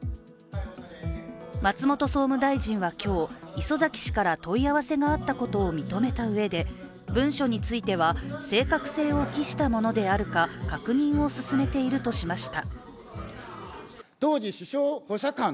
松本総務大臣は今日磯崎氏から問い合わせがあったことを認めたうえで、文書については正確性を期したものであるか確認を進めているとしました。